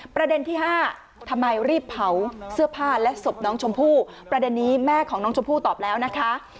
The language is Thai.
ประเด็นที่๕ทำไมรีบเผาเสื้อผ้าและศพน้องชมพู่ประเด็นนี้แม่ของน้องชมพู่ตอบแล้วนะคะ